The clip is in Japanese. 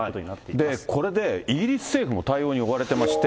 で、これでイギリス政府も対応に追われてまして。